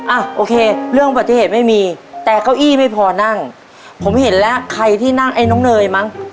อ่ะโอเคเรื่องอุบัติเหตุไม่มีแต่เก้าอี้ไม่พอนั่งผมเห็นแล้วใครที่นั่งไอ้น้องเนยมั้ง